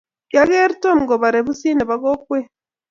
kiageer Tom kuporee pusit nebo kokwee